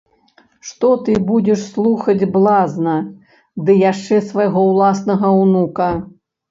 Што ты будзеш слухаць блазна ды яшчэ свайго ўласнага ўнука!